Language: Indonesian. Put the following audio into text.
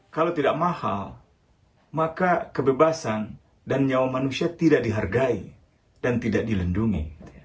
kalau tidak mahal maka kebebasan dan nyawa manusia tidak dihargai dan tidak dilindungi